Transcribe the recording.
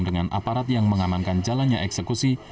dengan aparat yang mengamankan jalannya eksekusi